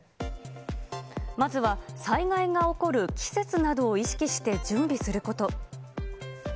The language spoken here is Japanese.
まずは災害が起こる季節などを意識して準備すること。